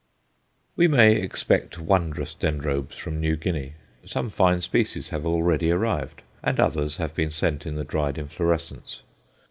We may expect wondrous Dendrobes from New Guinea. Some fine species have already arrived, and others have been sent in the dried inflorescence.